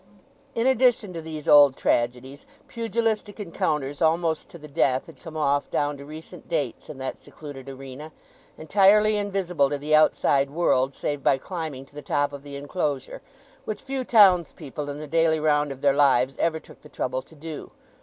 In addition to these old tragedies, pugilistic encounters almost to the death had come off down to recent dates in that secluded arena, entirely invisible to the outside world save by climbing to the top of the enclosure, which few townspeople in the daily round of their lives ever took the trouble to do.